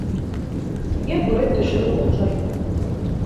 Миңә һүрәт төшөрөү оҡшай.